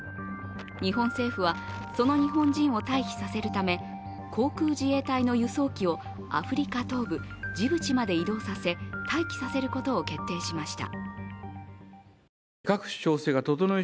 日本政府はその日本人を退避させるため、航空自衛隊の輸送機をアフリカ東部・ジブチまで移動させ待機させることを決定しました。